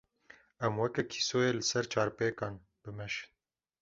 Em weke kîsoyê li ser çarpêkan, bimeşin.